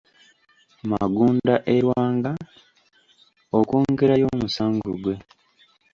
Magunda e Lwanga okwongerayo omusango gwe.